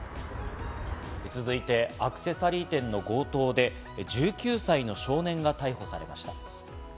続いてアクセサリー店の強盗で１９歳の少年が逮捕されました。